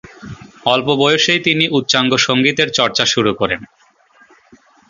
অল্প বয়সেই তিনি উচ্চাঙ্গসঙ্গীতের চর্চা শুরু করেন।